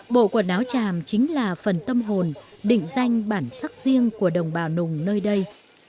bộ quần áo tràm chính là phần tâm hồn định danh bản sắc riêng của đồng bào nùng nơi đây